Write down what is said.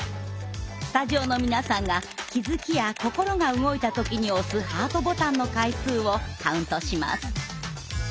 スタジオの皆さんが気づきや心が動いたときに押すハートボタンの回数をカウントします。